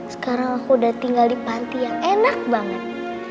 sekarang aku udah tinggal di panti yang enak banget